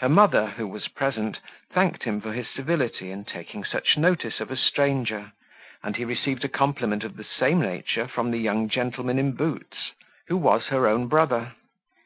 Her mother, who was present, thanked him for his civility in taking such notice of a stranger, and he received a compliment of the same nature from the young gentleman in boots, who was her own brother.